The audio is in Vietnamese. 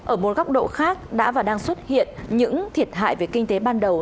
ở một góc độ khác đã và đang xuất hiện những thiệt hại về kinh tế ban đầu